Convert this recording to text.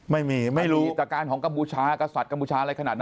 ไม่มีไม่มีแต่การของกัมพูชากษัตริย์กัมพูชาอะไรขนาดนั้น